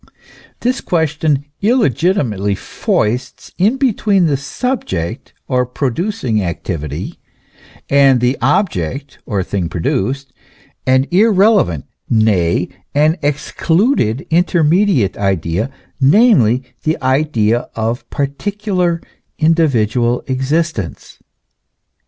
This question illegiti mately foists in between the subject or producing activity, and the object or thing produced, an irrelevant, nay, an excluded intermediate idea, namely, the idea of particular, individual existence.